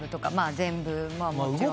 全部もちろん。